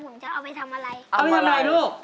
ผมจะเอาไปทำอะไรเอาไปทำอะไรลูก